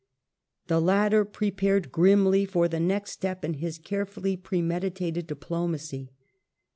The latter prepared grimly for the next step in his carefully premeditated diplomacy.